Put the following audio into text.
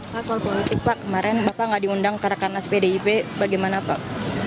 pak soal politik pak kemarin bapak nggak diundang ke rekanas pdip bagaimana pak